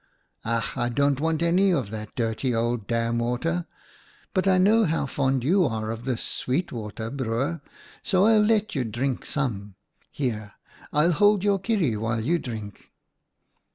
"' Ach ! I don't want any of that dirty old dam water, but I know how fond you are of this sweet water, Broer, so I'll let you drink THE ANIMALS' DAM 97 some. Here, I'll hold your kierie while you drink.'